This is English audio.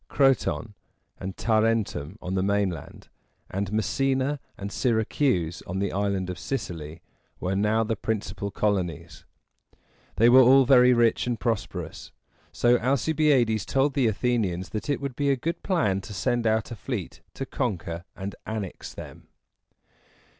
Croton and Ta ren´tum on the mainland, and Messina and Syr´a cuse on the Island of Sicily, were now the principal colonies. They were all very rich and prosperous, so Alcibiades told the Athenians that it would be a good plan to send out a fleet to conquer and annex them.